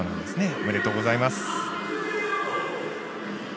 おめでとうございます。